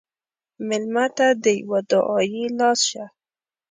مېلمه ته د یوه دعایي لاس شه.